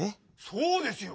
そうですよ。